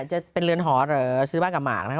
จะเป็นเรือนหอเหรอซื้อบ้านกับหมากนะครับ